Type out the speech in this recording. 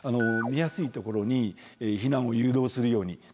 見やすいところに避難を誘導するように。